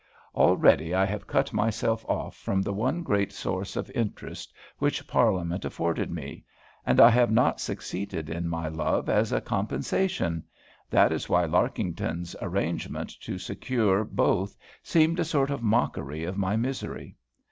Already I have cut myself off from the one great source of interest which Parliament afforded me, and I have not succeeded in my love as a compensation that is why Larkington's arrangement to secure both seemed a sort of mockery of my misery.